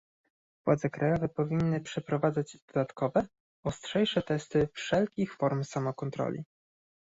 Władze krajowe powinny przeprowadzać dodatkowe, ostrzejsze testy wszelkich form samokontroli